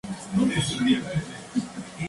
La techumbre es de dos aguas paralelas.